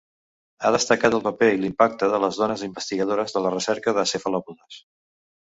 Ha destacat el paper i l'impacte de les dones investigadores en la recerca de cefalòpodes.